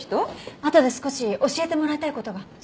あとで少し教えてもらいたい事が。